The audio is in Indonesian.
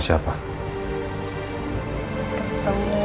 bisa tidak dengan itu saja